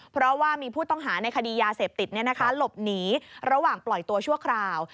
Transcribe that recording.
เพราะว่ามีผู้ต้องหาในคดียาเสพติดหลบหนีระหว่างปล่อยตัวชั่วคราว